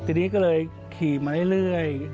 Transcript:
ทีนี้ก็เลยขี่มาเรื่อย